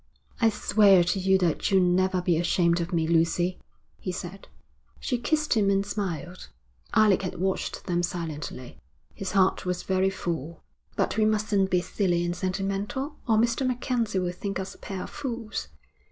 'I swear to you that you'll never be ashamed of me, Lucy,' he said. She kissed him and smiled. Alec had watched them silently. His heart was very full. 'But we mustn't be silly and sentimental, or Mr. MacKenzie will think us a pair of fools.'